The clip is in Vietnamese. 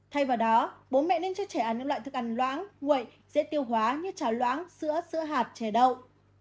thay vào đó bố mẹ nên cho trẻ ăn những loại thức ăn loãng nguội dễ tiêu hóa như trào loãng sữa sữa hạt chè đậu